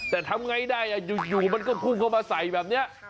แต่ทำไงได้อยู่มันก็พุ่งเข้ามาใส่แบบนี้